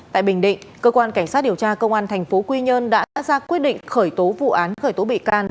tại bình định cơ quan cảnh sát điều tra công an thành phố quy nhơn đã ra quyết định khởi tố vụ án khởi tố bị can